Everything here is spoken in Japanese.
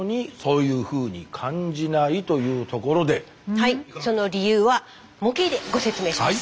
はいその理由は模型でご説明します。